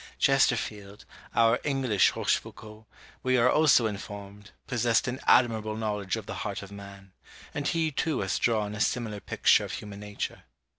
Chesterfield, our English Rochefoucault, we are also informed, possessed an admirable knowledge of the heart of man; and he, too, has drawn a similar picture of human nature.